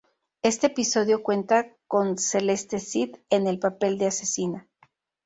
Este episodio cuenta con Celeste Cid, en el papel de asesina.